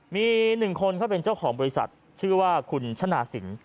มีหนึ่งคนก็เป็นเจ้าของบริษัทชื่อว่าคุณชนะศิลป์